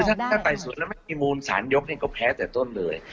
แต่มันไม่มีมูลสานยกก็แพ้แต่ต้นเลย